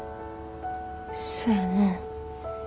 そやなぁ。